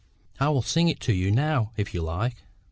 —I will sing it to you now, if you like."